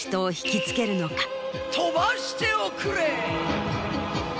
飛ばしておくれ！